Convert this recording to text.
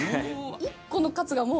１個のカツがもう。